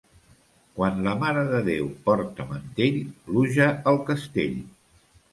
Quan la Mare de Déu porta mantell, pluja al castell.